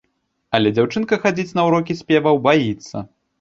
Але дзяўчынка хадзіць на ўрокі спеваў баіцца.